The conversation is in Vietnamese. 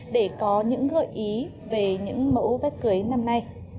để có những gợi ý về những mẫu vé cưới năm nay